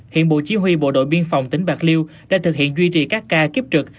hiện bộ chí huy bộ đội biên phòng tỉnh bạc liêu đã thực hiện duy trì các ca kiếp trực